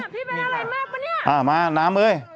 อันที่๘มาอะมาน้ำเอ้ย